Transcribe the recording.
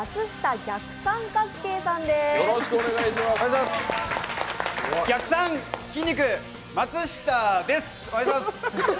逆三筋肉、松下です！